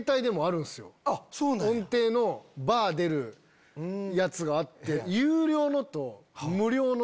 音程のバー出るやつがあって。